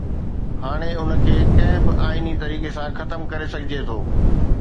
هاڻي ان کي ڪنهن به آئيني طريقي سان ختم ڪري سگهجي ٿو.